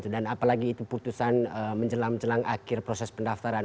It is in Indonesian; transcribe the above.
dan apalagi itu putusan menjelang jelang akhir proses pendaftaran